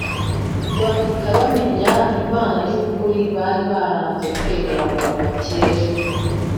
bahita bamenya Imana y’ukuri bari baranze kwemera kuva kera.